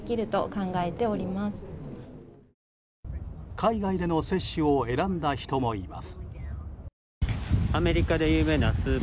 海外での接種を選んだ人もいます。